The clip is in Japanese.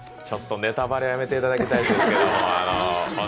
ちょっとネタバレやめていただきたい。